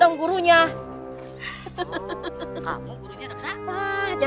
jangan banyak bicara